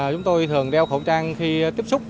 chúng tôi thường đeo khẩu trang khi tiếp xúc